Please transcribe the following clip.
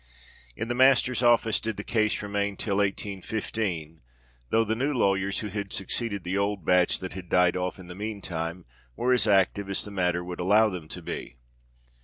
In the Master's office did the case remain till 1815—though the new lawyers who had succeeded the old batch that had died off in the meantime, were as active as the matter would allow them to be.